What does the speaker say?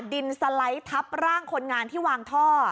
ดินสไลด์ทับร่างคนงานที่วางท่อ